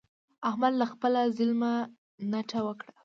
احمد له خپله ظلمه نټه وکړه.